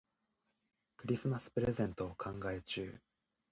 クリスマスプレゼントを考え中。